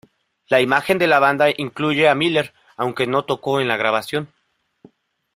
La imagen de la banda incluye a Miller, aunque no tocó en la grabación.